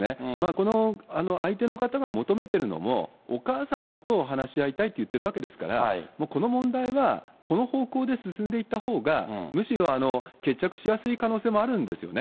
この相手の方が求めてるのも、お母様と話し合いたいと言ってるわけですから、もうこの問題はこの方向で進んでいったほうが、むしろ決着しやすい可能性もあるんですよね。